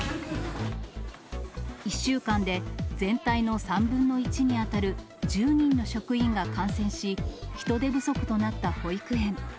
１週間で全体の３分の１に当たる、１０人の職員が感染し、人手不足となった保育園。